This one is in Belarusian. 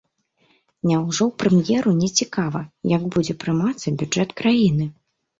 Няўжо прэм'еру нецікава, як будзе прымацца бюджэт краіны?